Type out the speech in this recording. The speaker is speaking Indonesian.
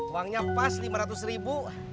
uangnya pas lima ratus ribu